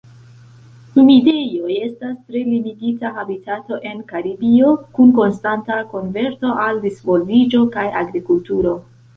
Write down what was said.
Humidejoj estas tre limigita habitato en Karibio, kun konstanta konverto al disvolviĝo kaj agrikulturo.